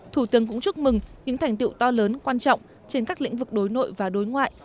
thủ tướng cũng chúc mừng những thành tiệu to lớn quan trọng trên các lĩnh vực đối nội và đối ngoại